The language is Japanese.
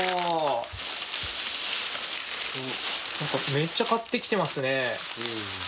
めっちゃ買ってきてますね。